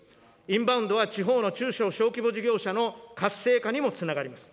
インバウンドは地方の中小小規模事業者の活性化にもつながります。